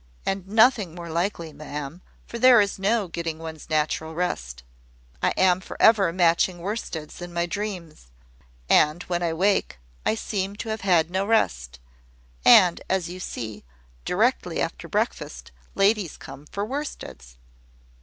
And nothing more likely, ma'am, for there is no getting one's natural rest. I am for ever matching of worsteds in my dreams; and when I wake, I seem to have had no rest: and, as you see, directly after breakfast, ladies come for worsteds."